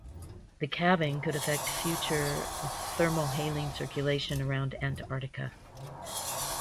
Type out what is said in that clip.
The calving could affect future thermohaline circulation around Antarctica.